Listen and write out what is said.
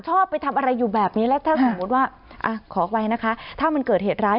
ชอบไปทำอะไรอยู่แบบนี้แล้วถ้ามีเกิดเหตุร้าย